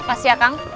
pasti ya kak